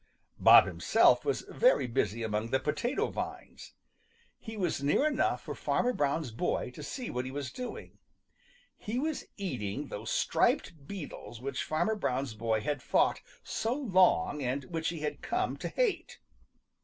Bob himself was very busy among the potato vines. He was near enough for Farmer Brown's boy to see what he was doing. He was eating those striped beetles which Farmer Brown's boy had fought so long and which he had come to hate.